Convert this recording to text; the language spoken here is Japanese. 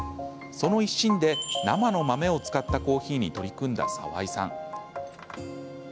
その一心で生の豆を使ったコーヒーに取り組んだ澤井さん。